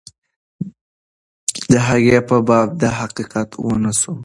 د هغې په باب تحقیق ونسو.